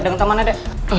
dengan temannya dek